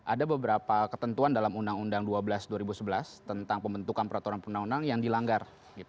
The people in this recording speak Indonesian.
ada beberapa ketentuan dalam undang undang dua belas dua ribu sebelas tentang pembentukan peraturan undang undang yang dilanggar